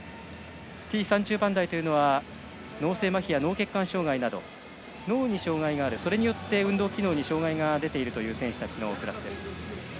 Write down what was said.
Ｔ３０番台というのは脳性まひや脳血管障がいなど脳に障がいがあるそれによって運動機能に障がいが出ているという選手たちのクラスです。